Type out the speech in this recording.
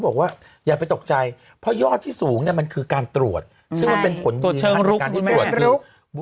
บอกว่าอย่าไปตกใจเพราะยอดที่สูงเนี่ยมันคือการตรวจคุณท้องตาม